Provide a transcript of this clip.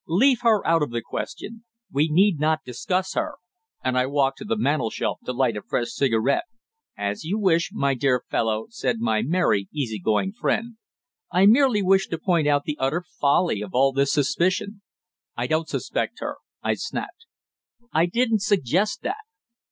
"Leave her out of the question! We need not discuss her," and I walked to the mantelshelf to light a fresh cigarette. "As you wish, my dear fellow," said my merry, easy going friend. "I merely wish to point out the utter folly of all this suspicion." "I don't suspect her," I snapped. "I didn't suggest that."